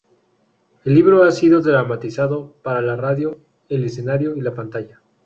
El libro ha sido dramatizado para la radio, el escenario y la pantalla.